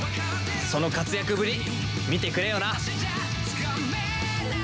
その活躍ぶり見てくれよな！